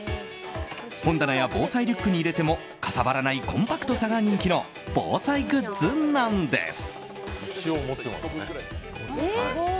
本棚や防災リュックに入れてもかさばらないコンパクトさが人気の防災グッズなんです。